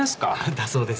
だそうです。